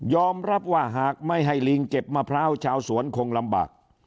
รับว่าหากไม่ให้ลิงเก็บมะพร้าวชาวสวนคงลำบาก